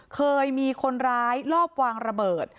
เคยมีคนร้ายลอบวางระเบิด